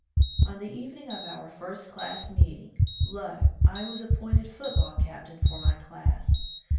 On the evening of our first class meeting, lo ! I was appointed football captain for my class.